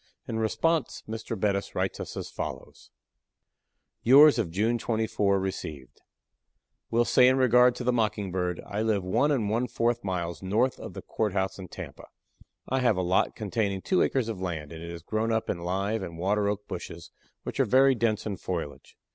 In response Mr. Bettis writes us as follows: "Yours of June 24 received. Will say in regard to the Mockingbird, I live one and one fourth miles north of the courthouse in Tampa. I have a lot containing two acres of land, and it is grown up in live and water oak bushes which are very dense in foliage.